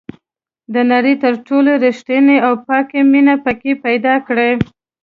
د نړۍ تر ټولو ریښتینې او پاکه مینه پکې پیدا کړئ.